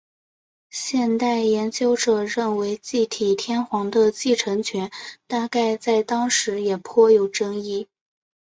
现代研究者认为继体天皇的继承权大概在当时也颇有争议。